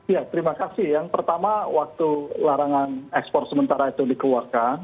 ya terima kasih yang pertama waktu larangan ekspor sementara itu dikeluarkan